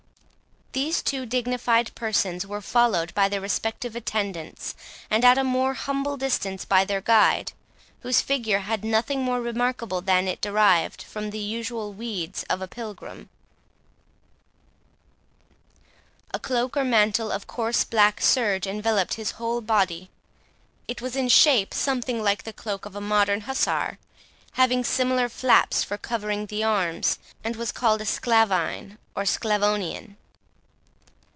These two dignified persons were followed by their respective attendants, and at a more humble distance by their guide, whose figure had nothing more remarkable than it derived from the usual weeds of a pilgrim. A cloak or mantle of coarse black serge, enveloped his whole body. It was in shape something like the cloak of a modern hussar, having similar flaps for covering the arms, and was called a "Sclaveyn", or "Sclavonian".